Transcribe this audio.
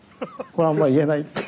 これはあんま言えない。